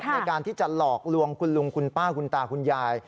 ในการที่จะหลอกลวงคุณลุงคุณป้าคุณตาคุณยาย